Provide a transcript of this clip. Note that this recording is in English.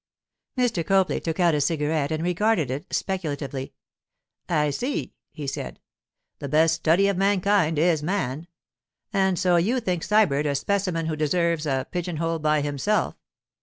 Mr. Copley took out a cigarette and regarded it speculatively. 'I see,' he said. 'The best study of mankind is man—and so you think Sybert a specimen who deserves a pigeonhole by himself?